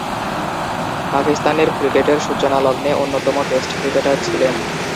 পাকিস্তানের ক্রিকেটের সূচনালগ্নে অন্যতম টেস্ট ক্রিকেটার ছিলেন।